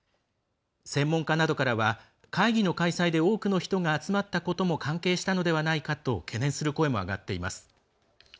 専門家などからは会議の開催で多くの人が集まったことも関係したのではないかと懸念する声も上がっています。